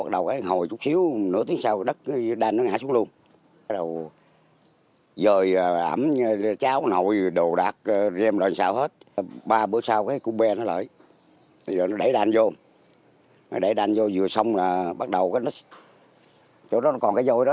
đẩy đàn vô vừa xong là bắt đầu chỗ đó còn cái dội đó